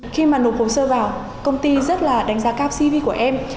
khi mà nộp hồ sơ vào công ty rất là đánh giá cao cv của em